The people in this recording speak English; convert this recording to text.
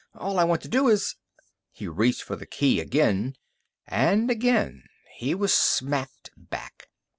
"All I want to do is " He reached for the key again, and again he was smacked back.